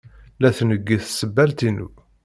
La tneggi tsebbalt-inu.